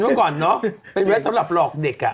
เมื่อก่อนเนอะเป็นไว้สำหรับหลอกเด็กอ่ะ